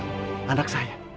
kesembuhan anak saya